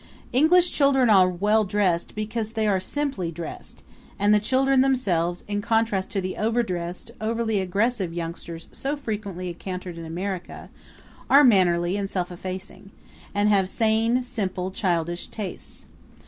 English children are well dressed because they are simply dressed; and the children themselves, in contrast to the overdressed, overly aggressive youngsters so frequently encountered in America, are mannerly and self effacing, and have sane, simple, childish tastes.